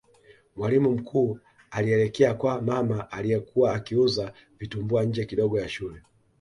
mwalimu mkuu alielekea kwa mama aliyekuwa akiuza vitumbua nje kidogo ya shule